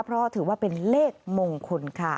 เพราะถือว่าเป็นเลขมงคลค่ะ